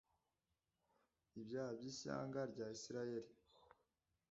ibyaha by ishyanga rya isirayeli